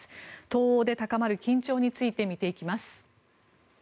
東欧で高まる緊張について見ていきます。